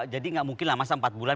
jadi nggak mungkin lah masa empat bulan